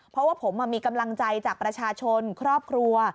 เพราะว่าผมมีกำลังใจจากประชาชนครอบครัว